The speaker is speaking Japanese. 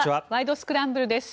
スクランブル」です。